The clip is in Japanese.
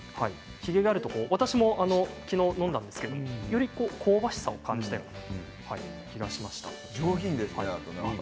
ヒゲがあると私もきのう飲んだんですけどより香ばしさを感じた気がします。